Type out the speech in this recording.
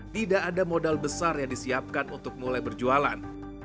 tidak ada modal besar yang disiapkan untuk mulai berjualan